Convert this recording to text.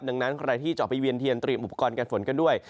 ดังนั้นใครที่จะออกไปเวียนเทียนเตรียมอุปกรณ์การฝนกันด้วย